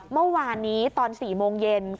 เมื่อวานพี่ตอน๔โมงเย็นครับ